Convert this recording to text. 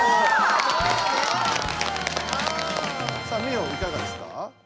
さあミオいかがですか？